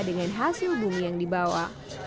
dengan hasil bumi yang dibawa